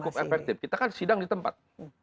cukup efektif kita kan sidang di tempat